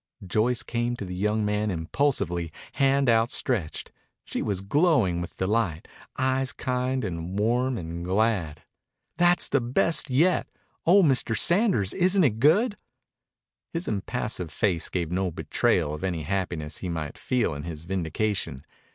Joyce came to the young man impulsively, hand outstretched. She was glowing with delight, eyes kind and warm and glad. "That's the best yet. Oh, Mr. Sanders, isn't it good?" His impassive face gave no betrayal of any happiness he might feel in his vindication.